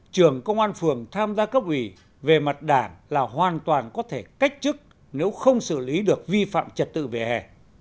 trường công an phường tham gia cấp ủy về mặt đảng là hoàn toàn có thể cách chức nếu không xử lý được vi phạm trật tự về hè